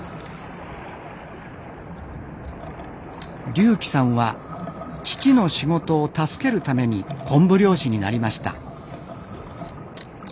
龍希さんは父の仕事を助けるために昆布漁師になりました。